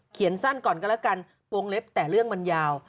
สั้นก่อนก็แล้วกันวงเล็บแต่เรื่องมันยาว